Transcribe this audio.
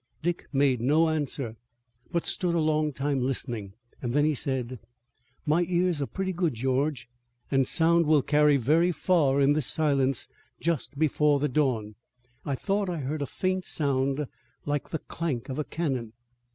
Dick made no answer, but stood a long time listening. Then he said: "My ears are pretty good, George, and sound will carry very far in this silence just before the dawn. I thought I heard a faint sound like the clank of a cannon."